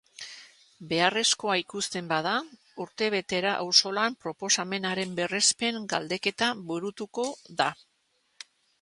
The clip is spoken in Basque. Beharrezkoa ikusten bada, urtebetera auzolan proposamenaren berrespen galdeketa burutuko da.